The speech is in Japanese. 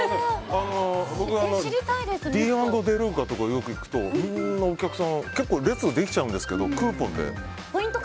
ディーン＆デルーカとか行くとお客さん結構列できちゃうんですけどポイント